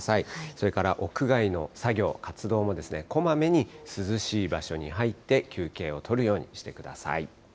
それから屋外の作業、活動も、こまめに涼しい場所に入って、休憩を取るようにしてください。